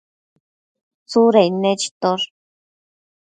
Tsudain nechitosh